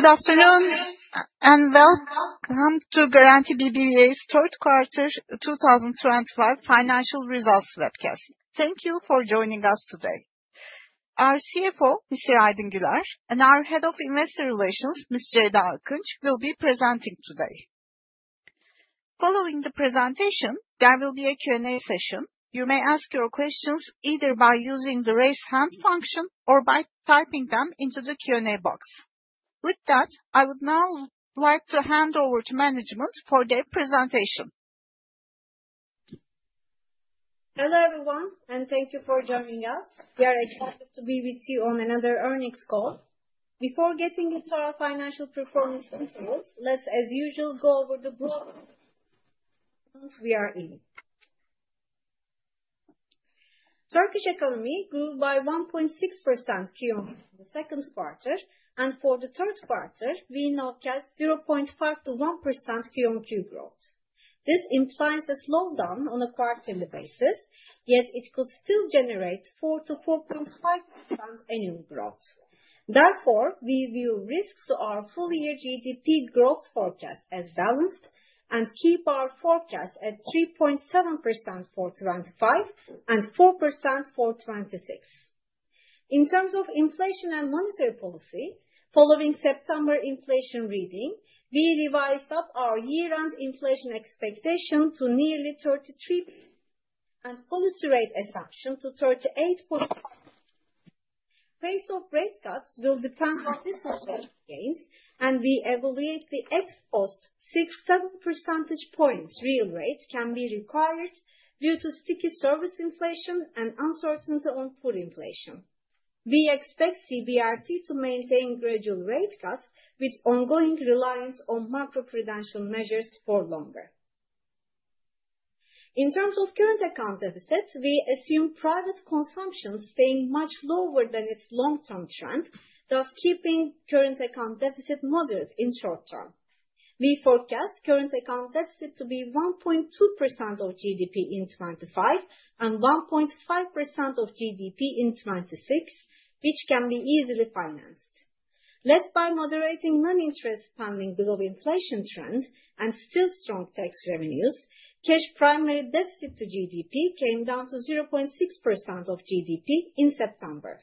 Good afternoon and welcome to Garanti BBVA's Third Quarter 2025 Financial Results Webcast. Thank you for joining us today. Our CFO, Mr. Aydın Güler, and our Head of Investor Relations, Ms. Ceyda Akinç, will be presenting today. Following the presentation, there will be a Q&A session. You may ask your questions either by using the raise hand function or by typing them into the Q&A box. With that, I would now like to hand over to management for their presentation. Hello everyone, and thank you for joining us. We are excited to be with you on another earnings call. Before getting into our financial performance interviews, let's, as usual, go over the broad ones we are in. Turkish economy grow by 1.6% QoQ in the second quarter, and for the third quarter, we nowcast 0.5%-1% QoQ growth. This implies a slowdown on a quarterly basis, yet it could still generate 4-4.5% annual growth. Therefore, we view risks to our full-year GDP growth forecast as balanced and keep our forecast at 3.7% for 2025 and 4% for 2026. In terms of inflation and monetary policy, following September inflation reading, we revised up our year-end inflation expectation to nearly 33% and policy rate assumption to 38%. The pace of rate cuts will depend on disinflation gains, and we evaluate the ex-post 6-7 percentage points real rate can be required due to sticky service inflation and uncertainty on future inflation. We expect CBRT to maintain gradual rate cuts with ongoing reliance on macroprudential measures for longer. In terms of current account deficit, we assume private consumption staying much lower than its long-term trend, thus keeping current account deficit moderate in short term. We forecast current account deficit to be 1.2% of GDP in 2025 and 1.5% of GDP in 2026, which can be easily financed. Led by moderating non-interest spending below inflation trend and still strong tax revenues, cash primary deficit to GDP came down to 0.6% of GDP in September.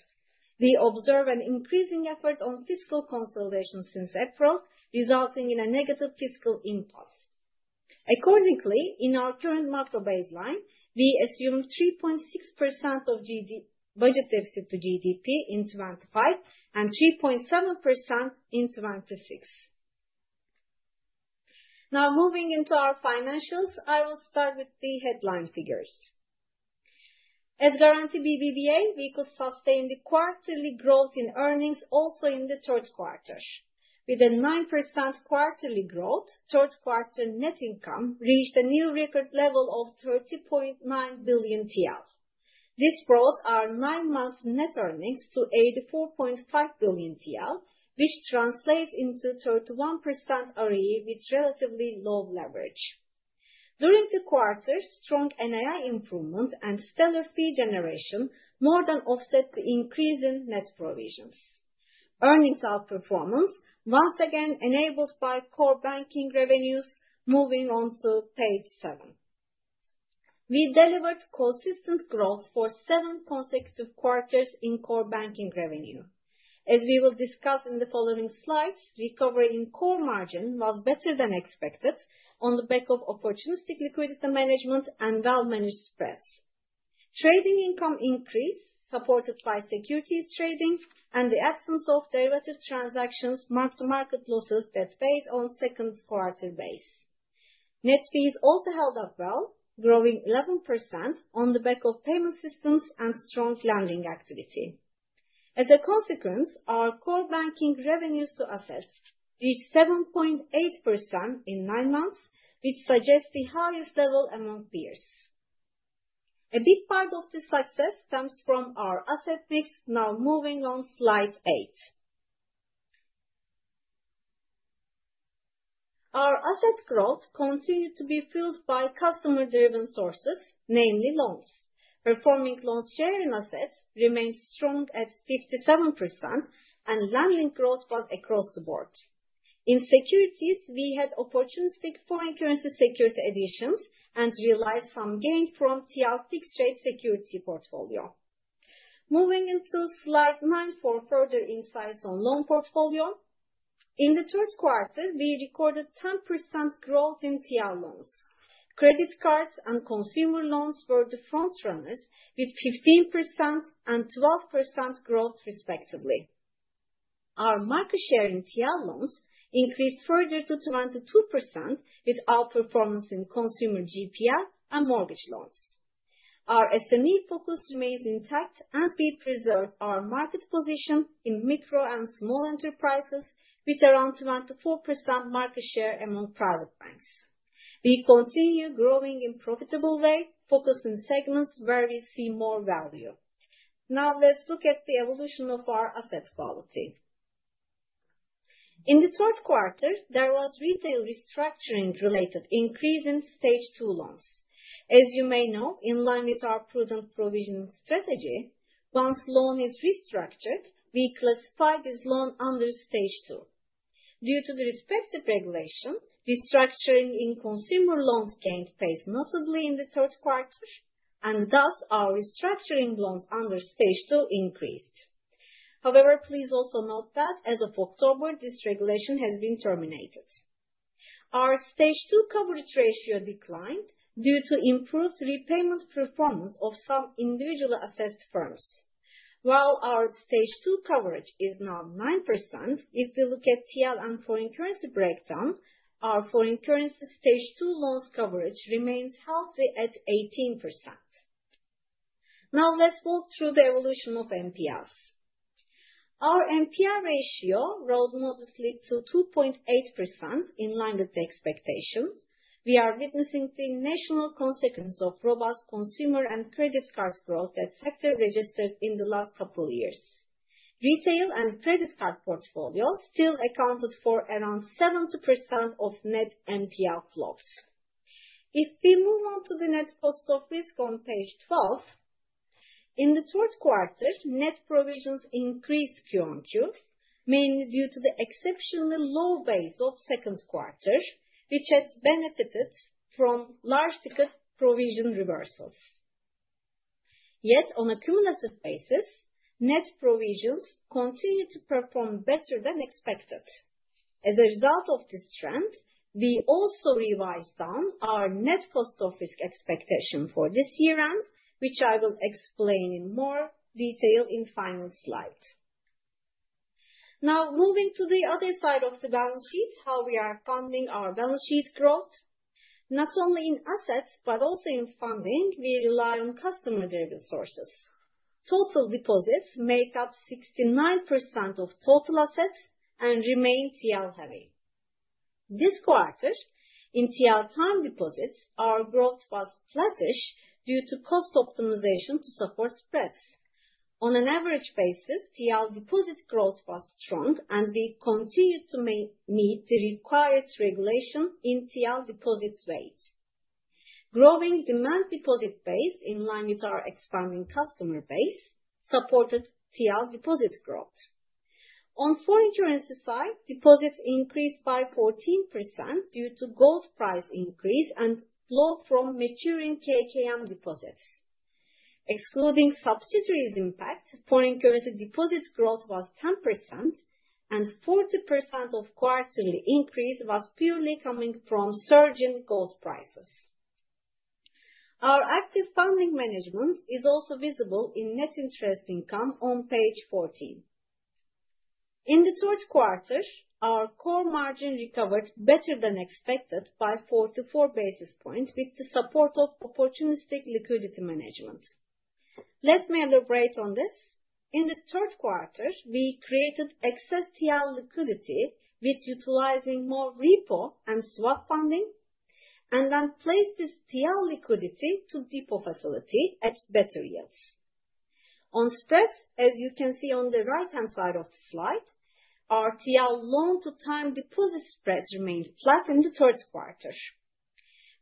We observe an increasing effort on fiscal consolidation since April, resulting in a negative fiscal impulse. Accordingly, in our current macro baseline, we assume 3.6% of budget deficit to GDP in 2025 and 3.7% in 2026. Now, moving into our financials, I will start with the headline figures. At Garanti BBVA, we could sustain the quarterly growth in earnings also in the third quarter. With a 9% quarterly growth, third quarter net income reached a new record level of 30.9 billion TL. This brought our nine-month net earnings to 84.5 billion TL, which translates into 31% ROE with relatively low leverage. During the quarter, strong NII improvement and stellar fee generation more than offset the increase in net provisions. Earnings outperformance once again enabled core banking revenues moving on to page seven. We delivered consistent growth for seven consecutive quarters in core banking revenue. As we will discuss in the following slides, recovery in core margin was better than expected on the back of opportunistic liquidity management and well-managed spreads. Trading income increase supported by securities trading and the absence of derivative transactions mark-to-market losses that paid on second quarter base. Net fees also held up well, growing 11% on the back of payment systems and strong lending activity. As a consequence, core banking revenues to assets reached 7.8% in nine months, which suggests the highest level among peers. A big part of this success stems from our asset mix now moving on slide eight. Our asset growth continued to be fueled by customer-driven sources, namely performing loans share in assets remained strong at 57%, and lending growth was across the board. In securities, we had opportunistic foreign currency security additions and realized some gain from TL fixed-rate security portfolio. Moving into slide nine for further insights on loan portfolio. In the third quarter, we recorded 10% growth in TL loans. credit cards and consumer loans were the front runners with 15% and 12% growth respectively. Our market share in TL loans increased further to 22% with out performance in consumer GPL and mortgage loans. Our SME focus remained intact, and we preserved our market position in micro and small enterprises with around 24% market share among private banks. We continue growing in a profitable way, focusing on segments where we see more value. Now, let's look at the evolution of our asset quality. In the third quarter, there was retail restructuring-related increase in Stage 2 loans. As you may know, in line with our prudent provisioning strategy, once a loan is restructured, we classify this loan under Stage 2. Due to the respective regulation, restructuring in consumer loans gained pace notably in the third quarter, and thus our restructuring loans under Stage 2 increased. However, please also note that as of October, this regulation has been terminated. Our Stage 2 coverage ratio declined due to improved repayment performance of some individually assessed firms. While our Stage 2 coverage is now 9%, if we look at TL and foreign currency breakdown, our foreign currency Stage 2 loans coverage remains healthy at 18%. Now, let's walk through the evolution of NPLs. Our NPL ratio rose modestly to 2.8% in line with the expectation. We are witnessing the natural consequence of robust consumer and credit card growth that sector registered in the last couple of years. Retail and credit card portfolio still accounted for around 70% of net NPL flows. If we move on to the net cost of risk on page 12, in the third quarter, net provisions increased QoQ, mainly due to the exceptionally low base of second quarter, which had benefited from large ticket provision reversals. Yet, on a cumulative basis, net provisions continue to perform better than expected. As a result of this trend, we also revised down our net cost of risk expectation for this year-end, which I will explain in more detail in the final slide. Now, moving to the other side of the balance sheet, how we are funding our balance sheet growth. Not only in assets, but also in funding, we rely on customer-driven sources. Total deposits make up 69% of total assets and remain TL-heavy. This quarter, in TL time deposits, our growth was flattish due to cost optimization to support spreads. On an average basis, TL deposit growth was strong, and we continued to meet the required regulation in TL deposits weight. Growing demand deposit base in line with our expanding customer base supported TL deposit growth. On foreign currency side, deposits increased by 14% due to gold price increase and flow from maturing KKM deposits. Excluding subsidiaries' impact, foreign currency deposit growth was 10%, and 40% of quarterly increase was purely coming from surging gold prices. Our active funding management is also visible in net interest income on page 14. In the third quarter, our core margin recovered better than expected by 44 basis points with the support of opportunistic liquidity management. Let me elaborate on this. In the third quarter, we created excess TL liquidity with utilizing more repo and swap funding and then placed this TL liquidity to depo facility at better yields. On spreads, as you can see on the right-hand side of the slide, our TL loan to time deposit spreads remained flat in the third quarter.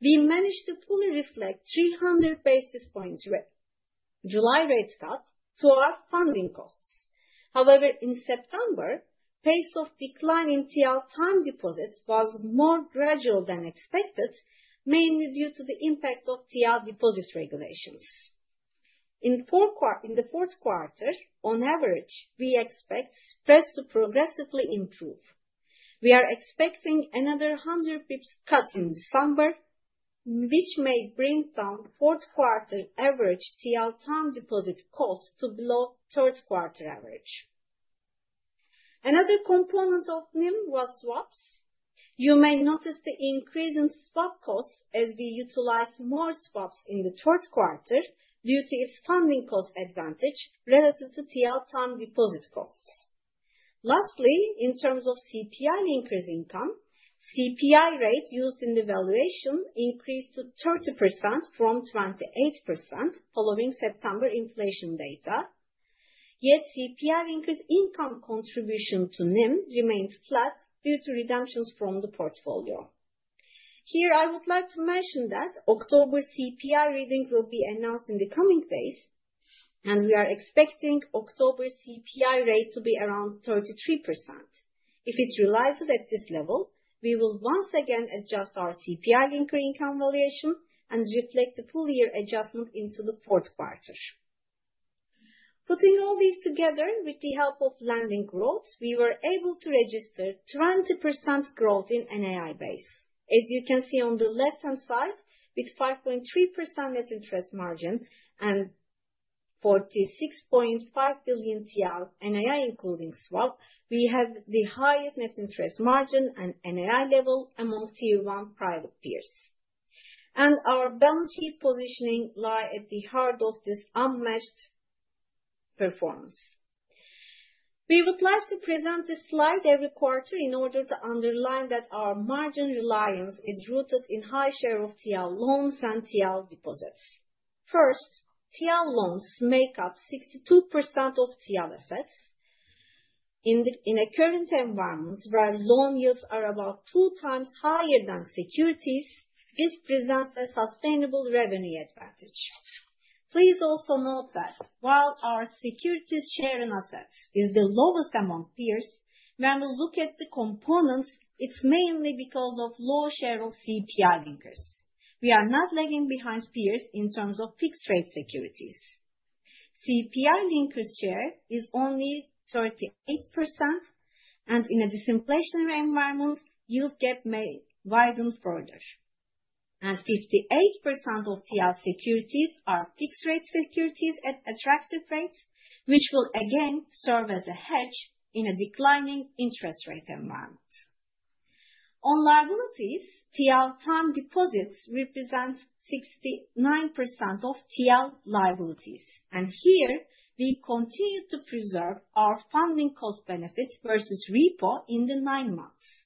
We managed to fully reflect 300 basis points rate July rate cut to our funding costs. However, in September, pace of decline in TL time deposits was more gradual than expected, mainly due to the impact of TL deposit regulations. In the fourth quarter, on average, we expect spreads to progressively improve. We are expecting another 100 basis points cut in December, which may bring down fourth quarter average TL time deposit cost to below third quarter average. Another component of NIM was swaps. You may notice the increase in swap costs as we utilize more swaps in the third quarter due to its funding cost advantage relative to TL time deposit costs. Lastly, in terms of CPI increase income, CPI rate used in the valuation increased to 30% from 28% following September inflation data. Yet, CPI increase income contribution to NIM remained flat due to redemptions from the portfolio. Here, I would like to mention that October CPI reading will be announced in the coming days, and we are expecting October CPI rate to be around 33%. If it realizes at this level, we will once again adjust our CPI linker income valuation and reflect the full-year adjustment into the fourth quarter. Putting all these together with the help of lending growth, we were able to register 20% growth in NII base. As you can see on the left-hand side, with 5.3% net interest margin and TL 46.5 billion NII including swap, we have the highest net interest margin and NII level among Tier 1 private peers. Our balance sheet positioning lies at the heart of this unmatched performance. We would like to present this slide every quarter in order to underline that our margin reliance is rooted in high share of TL loans and TL deposits. First, TL loans make up 62% of TL assets. In a current environment where loan yields are about two times higher than securities, this presents a sustainable revenue advantage. Please also note that while our securities sharing assets is the lowest among peers, when we look at the components, it's mainly because of low share of CPI linkers. We are not lagging behind peers in terms of fixed-rate securities. CPI linkers share is only 38%, and in a disinflationary environment, yield gap may widen further. 58% of TL securities are fixed-rate securities at attractive rates, which will again serve as a hedge in a declining interest rate environment. On liabilities, TL time deposits represent 69% of TL liabilities, and here we continue to preserve our funding cost benefit versus repo in the nine months.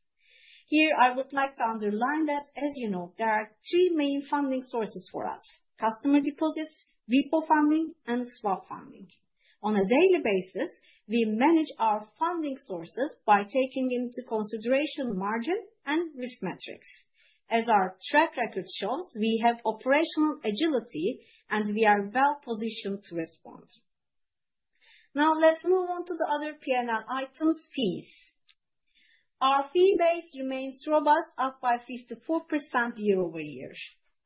Here, I would like to underline that, as you know, there are three main funding sources for us: customer deposits, repo funding, and swap funding. On a daily basis, we manage our funding sources by taking into consideration margin and risk metrics. As our track record shows, we have operational agility, and we are well positioned to respond. Now, let's move on to the other P&L items, fees. Our fee base remains robust, up by 54% year-over-year.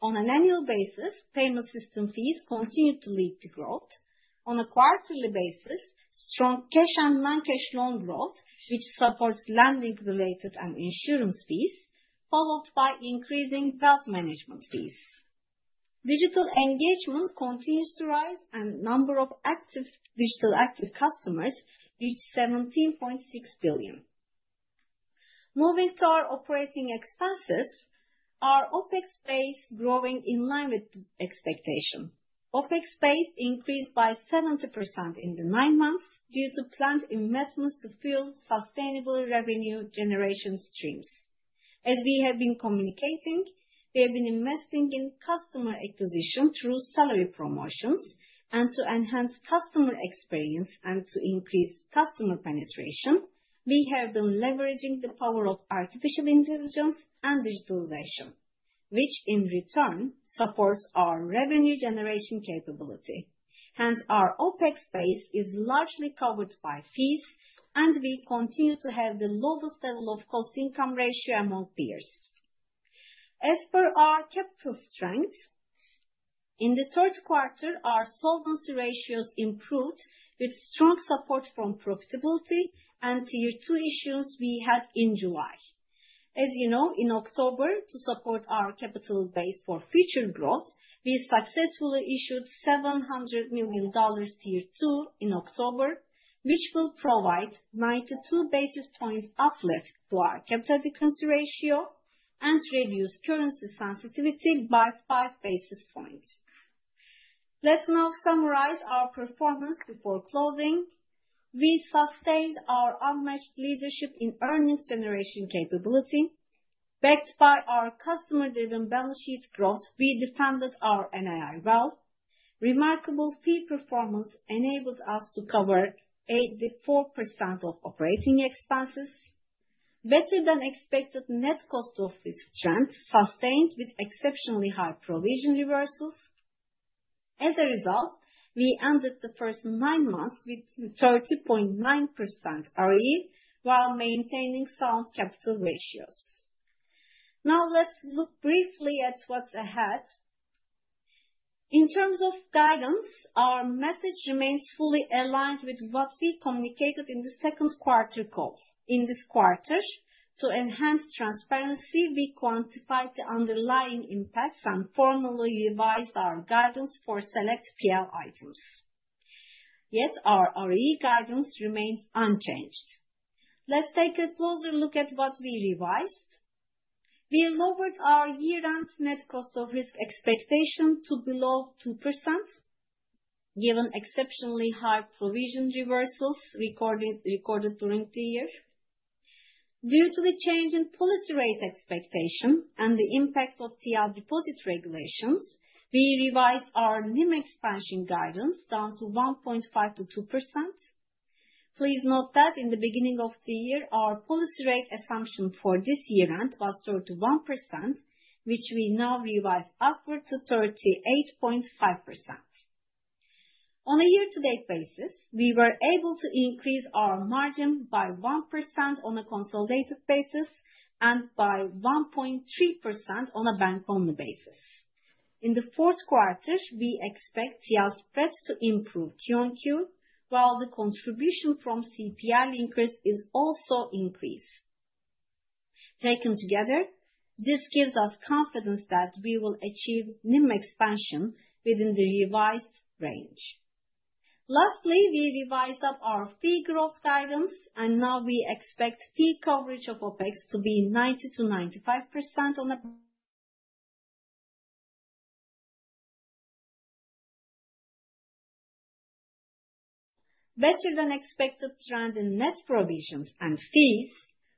On an annual basis, payment system fees continue to lead to growth. On a quarterly basis, strong cash and non-cash loan growth, which supports lending-related and insurance fees, followed by increasing wealth management fees. Digital engagement continues to rise, and the number of active digital customers reached 17.6 million. Moving to our operating expenses, our OPEX base is growing in line with expectation. OPEX base increased by 70% in the nine months due to planned investments to fuel sustainable revenue generation streams. As we have been communicating, we have been investing in customer acquisition through salary promotions, and to enhance customer experience and to increase customer penetration, we have been leveraging the power of artificial intelligence and digitalization, which in return supports our revenue generation capability. Hence, our OPEX base is largely covered by fees, and we continue to have the lowest level of cost-to-income ratio among peers. As per our capital strength, in the third quarter, our solvency ratios improved with strong support from profitability and Tier 2 issuance we had in July. As you know, in October, to support our capital base for future growth, we successfully issued $700 million Tier 2 in October, which will provide 92 basis points uplift to our capital adequacy ratio and reduce currency sensitivity by five basis points. Let's now summarize our performance before closing. We sustained our unmatched leadership in earnings generation capability. Backed by our customer-driven balance sheet growth, we defended our NII well. Remarkable fee performance enabled us to cover 84% of operating expenses. Better than expected net cost of risk trend sustained with exceptionally high provision reversals. As a result, we ended the first nine months with 30.9% ROE while maintaining sound capital ratios. Now, let's look briefly at what's ahead. In terms of guidance, our message remains fully aligned with what we communicated in the second quarter call. In this quarter, to enhance transparency, we quantified the underlying impacts and formally revised our guidance for select P&L items. Yet, our ROE guidance remains unchanged. Let's take a closer look at what we revised. We lowered our year-end net cost of risk expectation to below 2%, given exceptionally high provision reversals recorded during the year. Due to the change in policy rate expectation and the impact of TL deposit regulations, we revised our NIM expansion guidance down to 1.5%-2%. Please note that in the beginning of the year, our policy rate assumption for this year-end was 31%, which we now revised upward to 38.5%. On a year-to-date basis, we were able to increase our margin by 1% on a consolidated basis and by 1.3% on a bank-only basis. In the fourth quarter, we expect TL spreads to improve QoQ, while the contribution from CPI linkers is also increased. Taken together, this gives us confidence that we will achieve NIM expansion within the revised range. Lastly, we revised up our fee growth guidance, and now we expect fee coverage of OPEX to be 90%-95% on a better-than-expected trend in net provisions and fees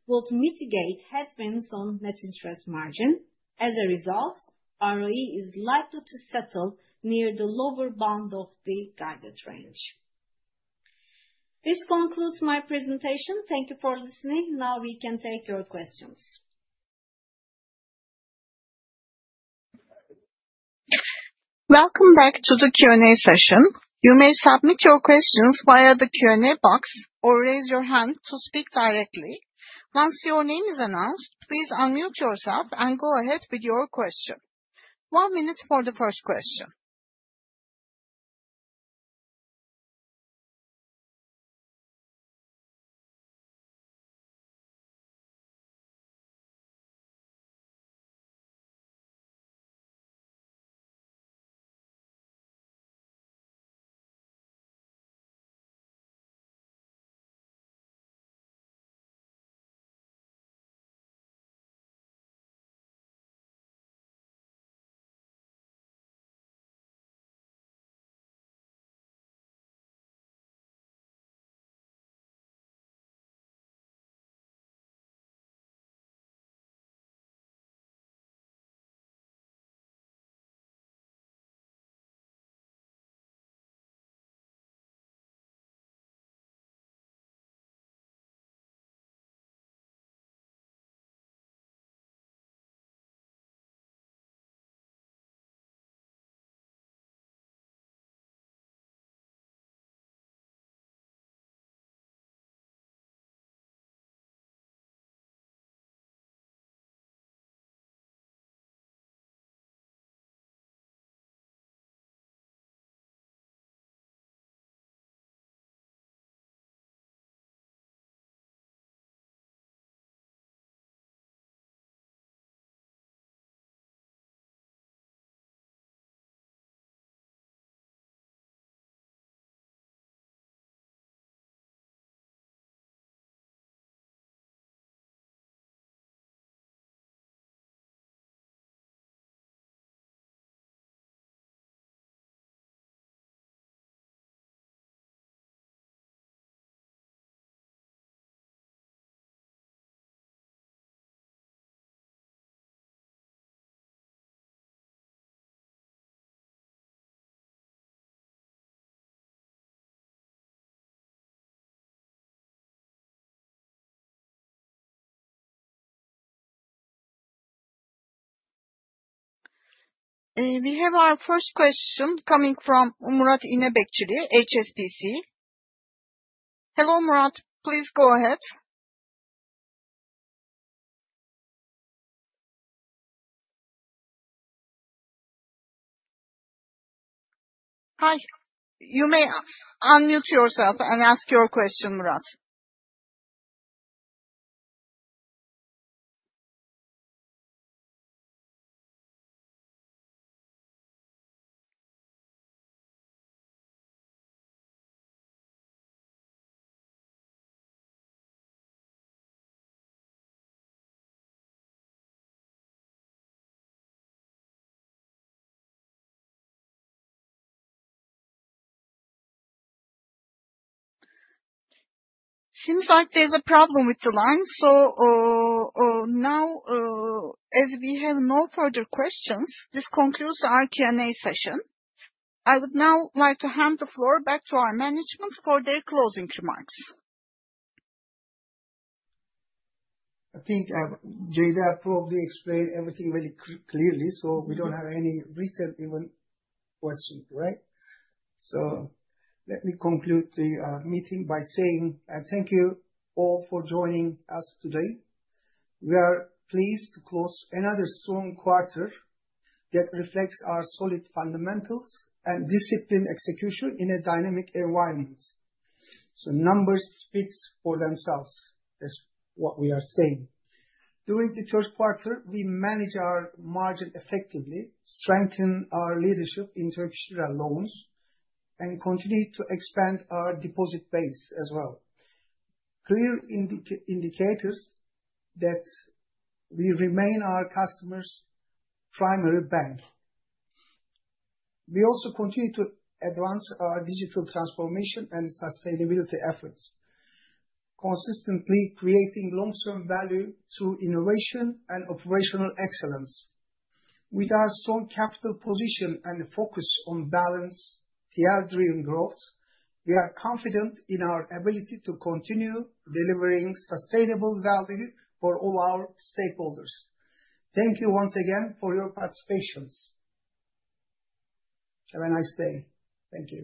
will mitigate headwinds on net interest margin. As a result, ROE is likely to settle near the lower bound of the guided range. This concludes my presentation. Thank you for listening. Now we can take your questions. Welcome back to the Q&A session. You may submit your questions via the Q&A box or raise your hand to speak directly. Once your name is announced, please unmute yourself and go ahead with your question. One minute for the first question. We have our first question coming from Murat İnebekçili, HSBC. Hello, Murat. Please go ahead. Hi. You may unmute yourself and ask your question, Murat. Seems like there's a problem with the line. So, now, as we have no further questions, this concludes our Q&A session. I would now like to hand the floor back to our management for their closing remarks. I think, Ceyda probably explained everything very clearly, so we don't have any written even question, right? So let me conclude the meeting by saying, thank you all for joining us today. We are pleased to close another strong quarter that reflects our solid fundamentals and discipline execution in a dynamic environment. So numbers speak for themselves. That's what we are saying. During the third quarter, we managed our margin effectively, strengthened our leadership in SME loans, and continued to expand our deposit base as well. Clear indicators that we remain our customers' primary bank. We also continue to advance our digital transformation and sustainability efforts, consistently creating long-term value through innovation and operational excellence. With our strong capital position and focus on balanced TL-driven growth, we are confident in our ability to continue delivering sustainable value for all our stakeholders. Thank you once again for your participation. Have a nice day. Thank you.